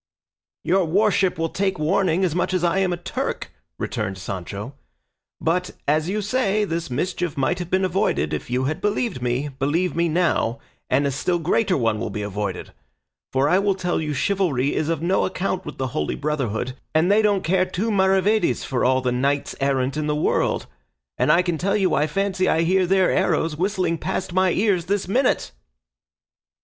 "Your worship will take warning as much as I am a Turk," returned Sancho; "but, as you say this mischief might have been avoided if you had believed me, believe me now, and a still greater one will be avoided; for I tell you chivalry is of no account with the Holy Brotherhood, and they don't care two maravedis for all the knights errant in the world; and I can tell you I fancy I hear their arrows whistling past my ears this minute."